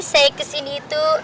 saya kesini itu